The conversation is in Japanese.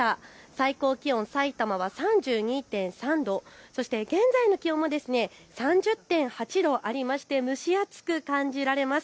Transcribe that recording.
最高気温、さいたまは３２．３度、そして現在の気温も３０．８度、ありまして蒸し暑く感じられます。